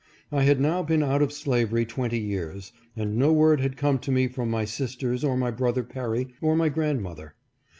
I had now been out of slavery twenty years, and, no word had come to me from my sisters, or my brother Perry, or my grandmother.